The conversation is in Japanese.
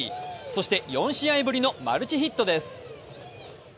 そして、４試合ぶりのマルチヒットです。